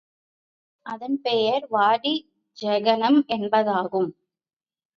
அதன் பெயர் வாடி ஜெகனம் என்பதாகும்.